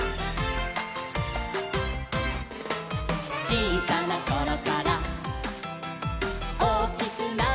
「ちいさなころからおおきくなっても」